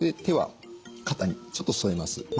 手は肩にちょっと添えます。